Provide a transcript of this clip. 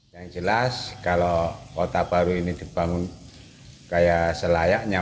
yang jelas kalau kota baru ini dibangun kayak selayaknya